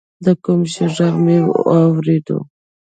د کوم شي ږغ مې اورېده.